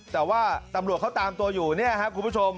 แต่ว่าตำรวจเขาตามตัวอยู่เนี่ยครับคุณผู้ชม